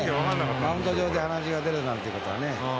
マウンド上で鼻血が出るなんてことはね。